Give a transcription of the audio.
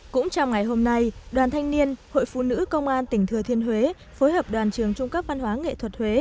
cũng trong ngày hôm nay đoàn thanh niên hội phụ nữ công an tỉnh thừa thiên huế phối hợp đoàn trường trung cấp văn hóa nghệ thuật huế